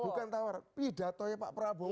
bukan tawaran pidatonya pak prabowo itu